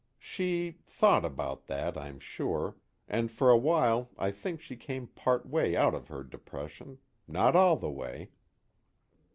"She thought about that, I'm sure, and for a while I think she came part way out of her depression. Not all the way."